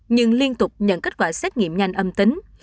nhưng liên tục nhận kết quả xét nghiệm nhanh âm tính